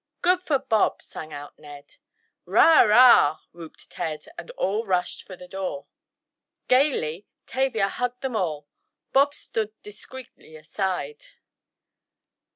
"Good for Bob!" sang out Ned. "'Rah! 'Rah!" whooped Ted, and all rushed for the door. Gaily Tavia hugged them all. Bob stood discreetly aside.